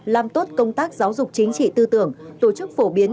làm tốt công tác giáo dục chính trị tư tưởng tổ chức phổ biến